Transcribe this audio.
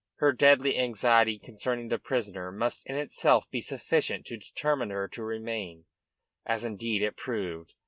Her deadly anxiety concerning the prisoner must in itself be sufficient to determine her to remain, as indeed it proved.